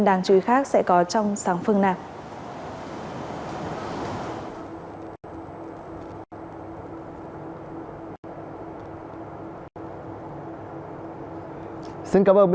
đáng chú ý khác sẽ có trong sáng phương nào